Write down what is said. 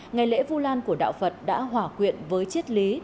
ngày lễ vũ lan của đạo phật đã hỏa quyện với chiết lý